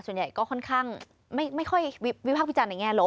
ส่วนใหญ่ก็ค่อนข้างไม่ค่อยวิพากษ์วิจารณ์ในแง่ลบ